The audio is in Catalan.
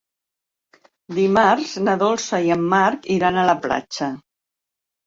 Dimarts na Dolça i en Marc iran a la platja.